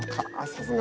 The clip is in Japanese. さすが。